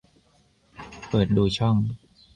เปิดดูช่อง